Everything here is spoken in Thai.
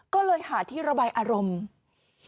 ก็เลยหาที่ระบายอารมณ์